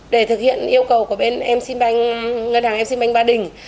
để thực hiện yêu cầu của bên ngân hàng exim bank ba đình